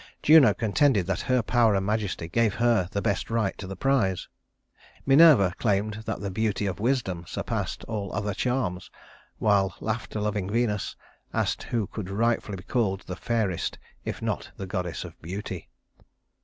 Juno contended that her power and majesty gave her the best right to the prize; Minerva claimed that the beauty of wisdom surpassed all other charms; while laughter loving Venus asked who could rightfully be called "the fairest" if not the goddess of beauty.